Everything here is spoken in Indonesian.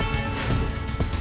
kita harus berhenti